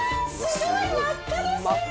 すごい真っ赤です。